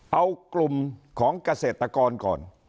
เอากลุ่มของเกษตรกรก่อน